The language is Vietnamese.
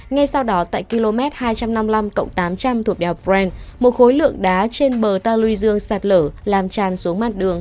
ngay sau đó tại km hai trăm năm mươi năm tám trăm linh thuộc đèo brent một khối lượng đá trên bờ ta luy dương sạt lở làm tràn xuống mặt đường